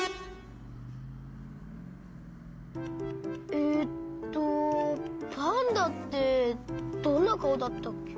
えっとパンダってどんなかおだったっけ？